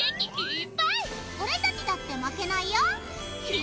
俺たちだって負けないよ！